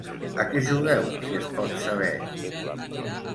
A què jugueu, si es pot saber?